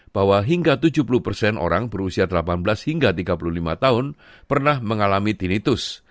bahwa hingga tujuh puluh persen orang berusia delapan belas hingga tiga puluh lima tahun pernah mengalami tinitus